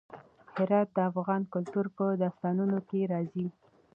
هرات د افغان کلتور په داستانونو کې راځي.